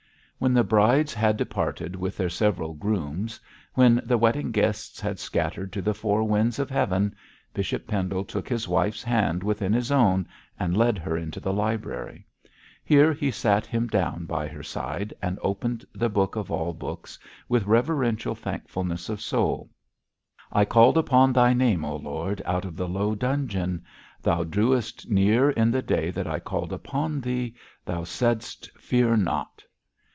When the brides had departed with their several grooms, when the wedding guests had scattered to the four winds of heaven, Bishop Pendle took his wife's hand within his own, and led her into the library. Here he sat him down by her side, and opened the Book of all books with reverential thankfulness of soul. 'I called upon thy name, O Lord, out of the low dungeon.' 'Thou drewest near in the day that I called upon thee: thou saidst, Fear not!'